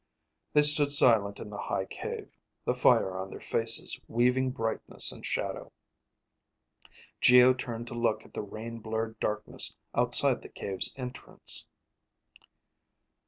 They stood silent in the high cave, the fire on their faces weaving brightness and shadow. Geo turned to look at the rain blurred darkness outside the cave's entrance.